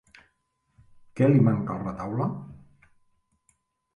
Què li manca al retaule?